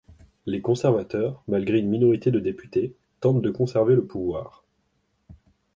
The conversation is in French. Les conservateurs, malgré une minorité de députés, tentent de conserver le pouvoir.